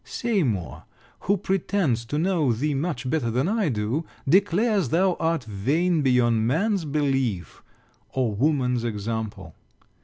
Seymour, who pretends to know thee much better than I do, declares thou art vain beyond man's belief or woman's example.